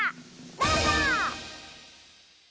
どうぞ！